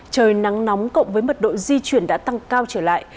trời nắng nóng cộng với mật độ di chuyển đã tăng cao trở lại